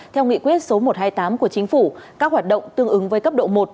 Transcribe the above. theo nghị quyết số một trăm hai mươi tám của chính phủ các hoạt động tương ứng với cấp độ một